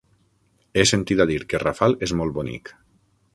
He sentit a dir que Rafal és molt bonic.